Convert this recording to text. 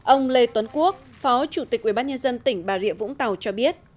ông lê tuấn quốc phó chủ tịch ubnd tỉnh bà rịa vũng tàu cho biết